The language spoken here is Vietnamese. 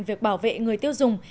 việc bảo vệ người tiêu dùng